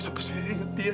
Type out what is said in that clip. sampai saya ingat dia